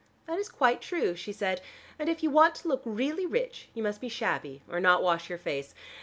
"That is quite true," she said. "And if you want to look really rich, you must be shabby, or not wash your face.